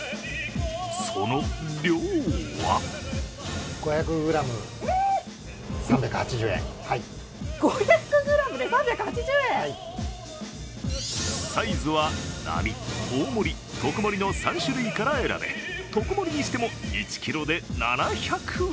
その量はサイズは並、大盛、特盛の３種類から選べ特盛にしても１ｋｇで７００円。